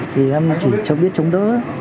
thì em chỉ chẳng biết chống đỡ